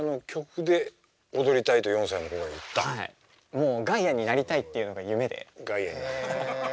もうガイアになりたいっていうのが夢で。